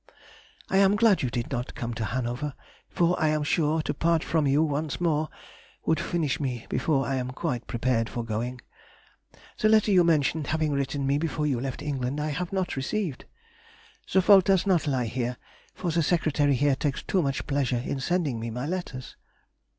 I am glad you did not come to Hanover, for I am sure to part from you once more would finish me before I am quite prepared for going. The letter you mention having written me before you left England I have not received. The fault does not lie here, for the secretary here takes too much pleasure in sending me my letters.